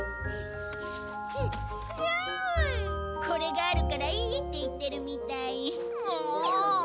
これがあるからいいって言ってるみたい。